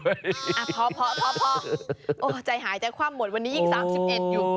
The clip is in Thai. พอใจหายจากความหมดวันนี้ยิ่ง๓๑อยู่